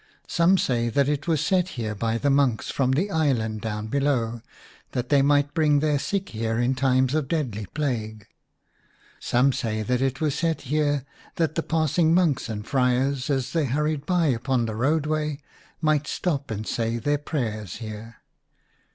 Some say that it IN A RUINED CHAPEL. was set here by the monks frOm the island down below, that they might bring their sick here in times of deadly plague. Some say that it was set here that the passing monks and friars, as they hurried by upon the roadway, might stop and say their prayers here.